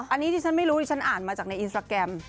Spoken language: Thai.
อันนี้ที่ฉันไม่รู้ที่ฉันอ่านมาจากในอินสตราแกรม